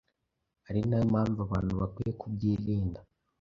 ari na yo mpamvu abantu bakwiye kubyirinda.